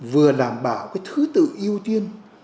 vừa đảm bảo cái thứ tự ưu tiên